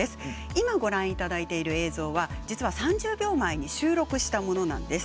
今ご覧いただいている映像は実は３０秒前に収録したものなんです。